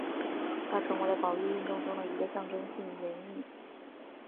他成为了保育运动中的一个象征性人物。